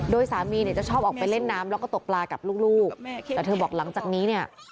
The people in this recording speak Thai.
โดยสามีเนี่ยจะชอบออกไปเล่นน้ำแล้วก็ตกปลากับลูกแต่เธอบอกหลังจากนี้เนี่ย